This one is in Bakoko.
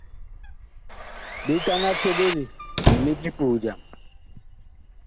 Ɓetan a teɓeli mini di puh jam.